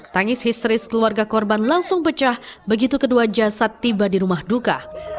tangis histeris keluarga korban langsung pecah begitu kedua jasad tiba di rumah duka